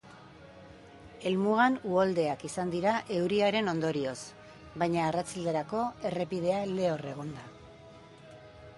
Helmugan uholdeak izan dira euriaren ondorioz, baina arratsalderako errepidea lehor egon da.